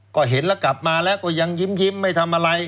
ก็เห็นแล้วกลับมาแล้วก็ยังยิ้มไม่ทำอะไร